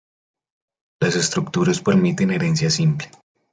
Las estructuras permiten herencia simple.